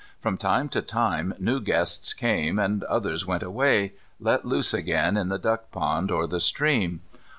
From time to time new guests came, and others went away, let loose again in the duck pond or the stream.